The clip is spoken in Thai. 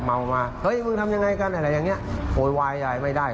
เมามาเฮ้ยมึงทำยังไงกันอะไรอย่างนี้โวยวายอะไรไม่ได้